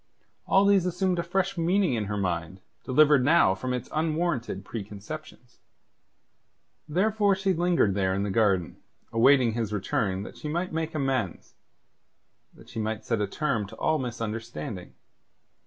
All these assumed a fresh meaning in her mind, delivered now from its unwarranted preconceptions. Therefore she lingered there in the garden, awaiting his return that she might make amends; that she might set a term to all misunderstanding.